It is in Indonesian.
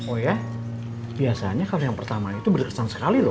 oh ya biasanya kalau yang pertama itu berkesan sekali loh